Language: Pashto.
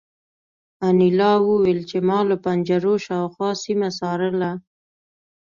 انیلا وویل چې ما له پنجرو شاوخوا سیمه څارله